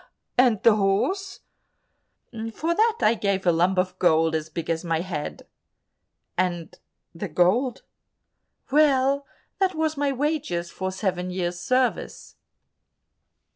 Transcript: "And the horse?" "For that I gave a lump of gold as big as my head." "And the gold?" "Well, that was my wages for seven years' service."